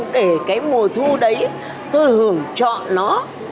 để cái mùa thu đấy tôi hưởng trọng nó